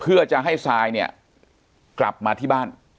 เพื่อจะให้ซายเนี่ยกลับมาที่บ้าน